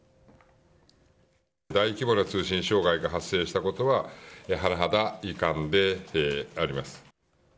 大規模な通信障害が発生したことは、甚だ遺憾であります。